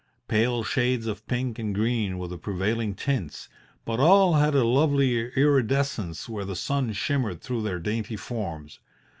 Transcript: Pale shades of pink and green were the prevailing tints, but all had a lovely iridescence where the sun shimmered through their dainty forms.